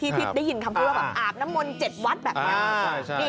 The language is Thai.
ที่พี่ได้ยินคำคือว่าอาบน้ำมนต์เจ็ดวัดแบบนี้